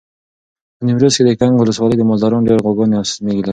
په نیمروز کې د کنگ ولسوالۍ مالداران ډېر غواګانې او مېږې لري.